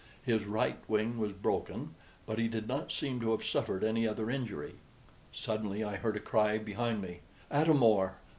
His right wing was broken, but he did not seem to have suffered any other injury. Suddenly I heard a cry behind me: "Atam or!